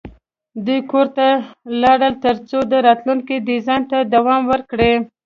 دوی کور ته لاړل ترڅو د راتلونکي ډیزاین ته دوام ورکړي